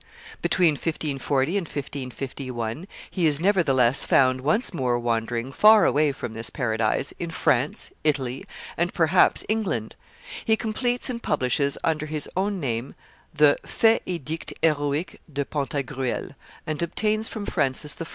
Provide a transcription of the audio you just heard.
Between 1540 and 1551 he is, nevertheless, found once more wandering, far away from this paradise, in France, Italy, and, perhaps, England; he completes and publishes, under his own name, the Faits et Dicts heroiques de Pantagruel, and obtains from Francis I.